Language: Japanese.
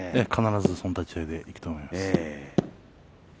必ずその立ち合いでいくと思います。